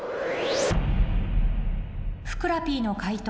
ふくらＰの解答